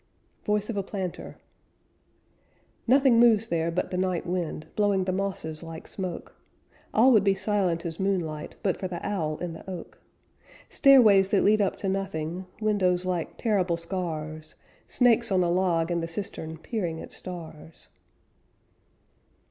Voice of a Planter "Nothing moves there but the night wind, Blowing the mosses like smoke; All would be silent as moonlight But for the owl in the oak Stairways that lead up to nothing Windows like terrible scars Snakes on a log in the cistern Peering at stars...."